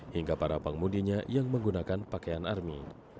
hingga para pangmudinya yang menggunakan pakaian armi